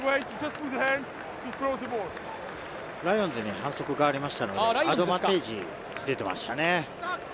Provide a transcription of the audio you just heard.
ライオンズに反則がありましたのでアドバンテージが出ていましたね。